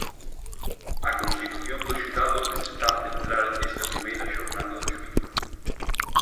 A constitución do xurado está a centrar esta primeira xornada do xuízo.